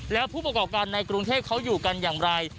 แล้วผู้ประกอบการในกรุงเทพเขาอยู่กันอย่างไร